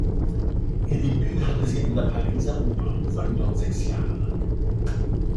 Ihr Debüt hatte sie an der Pariser Oper und sang dort sechs Jahre lang.